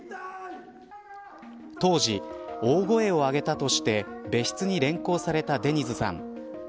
当時、大声を上げたとして別室に連行されたデニズさん。